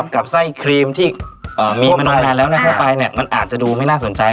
กับไส้ครีมที่มีมานมนานแล้วนะทั่วไปมันอาจจะดูไม่น่าสนใจ